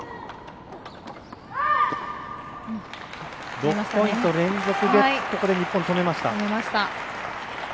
６ポイント連続でしたが日本は止めました。